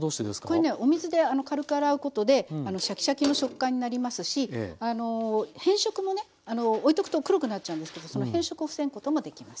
これねお水で軽く洗うことでシャキシャキの食感になりますし変色もねおいとくと黒くなっちゃうんですけどその変色を防ぐこともできます。